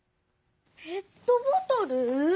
ペットボトル？